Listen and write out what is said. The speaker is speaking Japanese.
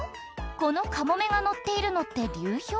このカモメが乗っているのって流氷？